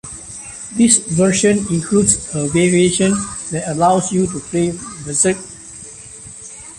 This verison includes a variation that allows you to play "Berzerk".